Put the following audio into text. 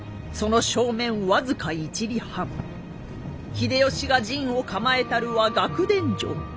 秀吉が陣を構えたるは楽田城。